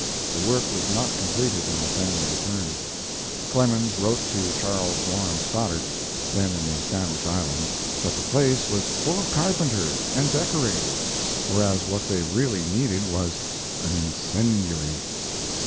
The work was not completed when the family returned. Clemens wrote to Charles Warren Stoddard, then in the Sandwich Islands, that the place was full of carpenters and decorators, whereas what they really needed was "an incendiary."